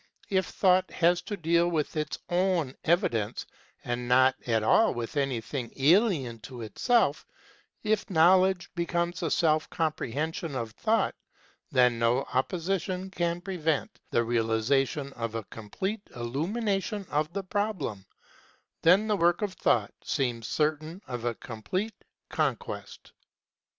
If Thought has to deal with its own evidence and not at all with anything alien to itself, if Knowledge becomes a self comprehension of Thought, then no opposi tion can prevent the realisation of a complete illumination of the problem then the work of Thought seems certain of a complete conquest.